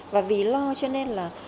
và vì lo cho nên là